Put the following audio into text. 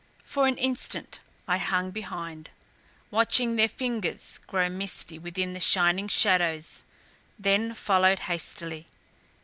For an instant I hung behind, watching their figures grow misty within the shining shadows; then followed hastily.